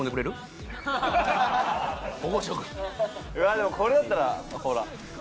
でもこれだったらほら。